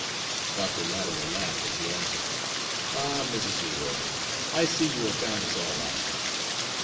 Dr. Latimer laughed, as he answered, "Ah, Mrs. Leroy, I see you have found us all out."